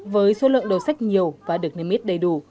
với số lượng đồ sách nhiều và được nêm ít đầy đủ